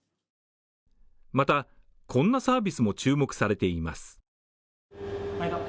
また、こんなサービスも注目されています。